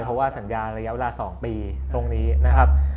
เพราะว่าสัญญาระยะเวลา๒ปีตรงนี้นะครับ